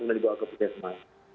kemudian dibawa ke pusat semarang